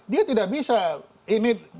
dia tidak bisa ini